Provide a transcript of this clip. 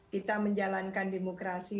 kita menjalankan demokrasi